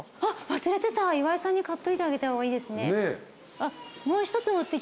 忘れてた岩井さんに買っといてあげた方がいいですね。